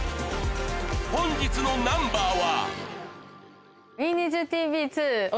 本日のナンバーはお！